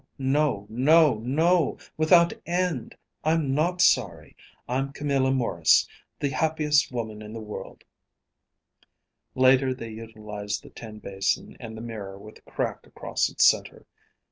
No, without end! I'm not sorry. I'm Camilla Maurice, the happiest woman in the world!" Later they utilized the tin basin and the mirror with a crack across its centre.